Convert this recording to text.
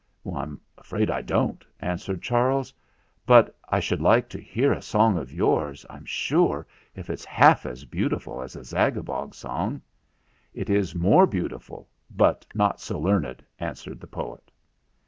"I'm afraid I don't," answered Charles. "But I should like to hear a song of yours, I'm sure, if it's half as beautiful as the Zaga bog song." "It is more beautiful, but not so learned," answered the poet.